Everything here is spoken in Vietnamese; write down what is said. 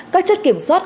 các chất kiểm soát